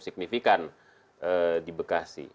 signifikan di bekasi